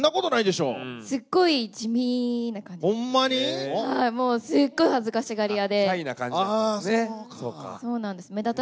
すっごい地味な感じでした。